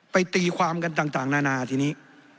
ตีความกันต่างนานาทีนี้